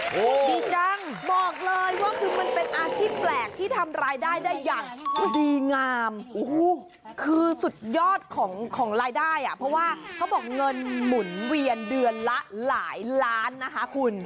จริงจังบอกเลยว่าคือมันเป็นอาชีพแปลกที่ทำรายได้ได้อย่างดีงามคือสุดยอดของรายได้อ่ะเพราะว่าเขาบอกเงินหมุนเวียนเดือนละหลายล้านนะคะคุณ